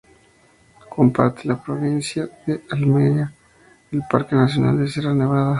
Comparte con la provincia de Almería el Parque nacional de Sierra Nevada.